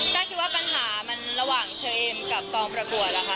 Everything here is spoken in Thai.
ได้คิดว่าปัญหามันระหว่างเจอเอมกับตอนประกวดนะคะ